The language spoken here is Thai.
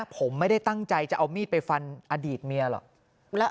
ผมไม่ได้ตั้งใจจะเอามีดไปฟันอดีตเมียหรอก